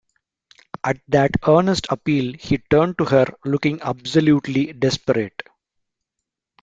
At that earnest appeal he turned to her, looking absolutely desperate.